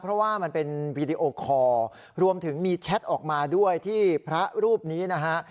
เพราะว่ามันเป็นวีดีโอคอร์รวมถึงมีแชทออกมาด้วยที่พระรูปนี้นะฮะ